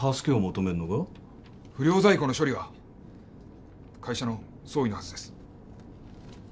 不良在庫の処理は会社の総意のはずです。